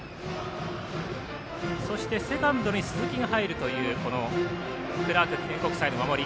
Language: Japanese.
そしてセカンドに鈴木が入るというクラーク記念国際の守り。